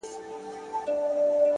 زما ماسوم زړه.!